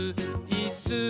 いっすー！